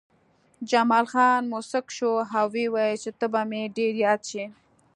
جمال خان موسک شو او وویل چې ته به مې ډېر یاد شې